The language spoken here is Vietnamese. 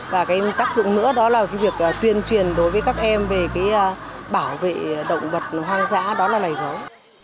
và tác dụng nữa là việc tuyên truyền đối với các em về bảo vệ động vật hoang dã đó là lầy gấu